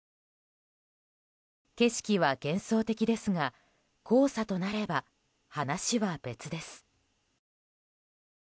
景色は幻想的ですが黄砂となれば話は別です。